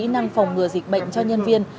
năng phòng ngừa dịch bệnh cho nhân viên